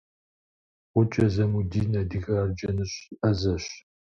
Гъукӏэ Замудин адыгэ арджэныщӏ ӏэзэщ.